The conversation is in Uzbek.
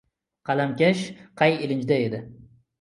Qalamkash qay ilinjda edi.